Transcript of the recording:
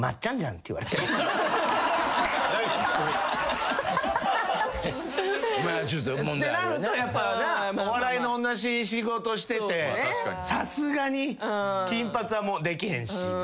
ってなるとやっぱお笑いのおんなし仕事しててさすがに金髪はもうできへんし。